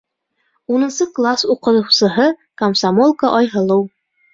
Унынсы класс уҡыусыһы комсомолка Айһылыу.